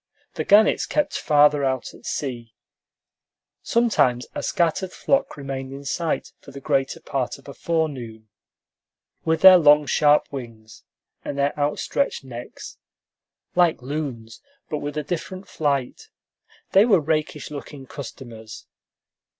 The gannets kept farther out at sea. Sometimes a scattered flock remained in sight for the greater part of a forenoon. With their long, sharp wings and their outstretched necks, like loons, but with a different flight, they were rakish looking customers.